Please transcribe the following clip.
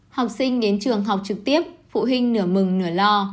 học sinh đến trường học trực tiếp phụ huynh nở mừng nửa lo